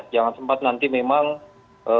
jangan sempat nanti memang potensi yang akan diturunkan